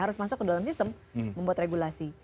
harus masuk ke dalam sistem membuat regulasi